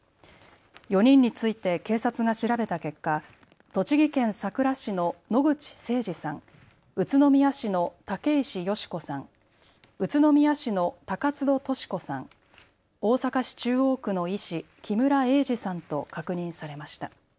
４人について警察が調べた結果、栃木県さくら市の野口誠二さん、宇都宮市の竹石佳子さん、宇都宮市の高津戸トシ子さん、大阪市中央区の医師、木村英二さんと確認されました。